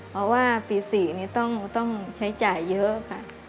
เพราะว่าปี๔นี้ต้องใช้จ่ายเยอะค่ะ